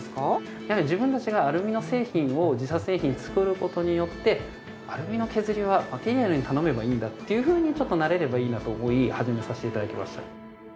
やはり自分たちがアルミの製品を自社製品を作る事によってアルミの削りはマテリアルに頼めばいいんだっていうふうにちょっとなれればいいなと思い始めさせて頂きました。